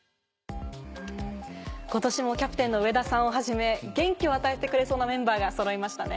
今年もキャプテンの上田さんをはじめ元気を与えてくれそうなメンバーがそろいましたね。